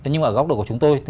nhưng mà ở góc độ của chúng tôi